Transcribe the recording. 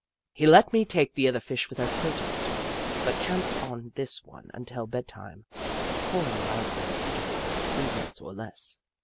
He let me take the other Fish without protest, but camped on this one until bedtime, caw ing loudly at intervals of three minutes or less.